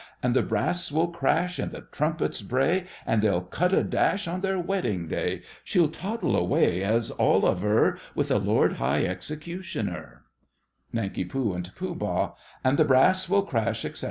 And the brass will crash, And the trumpets bray, And they'll cut a dash On their wedding day. She'll toddle away, as all aver, With the Lord High Executioner ' NANK. and POOH. And the brass will crash, etc.